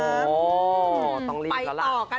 โหต้องลีกละล่ะ